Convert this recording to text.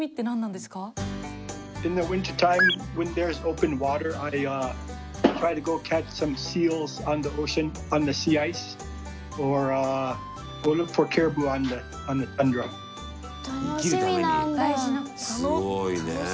すごいね。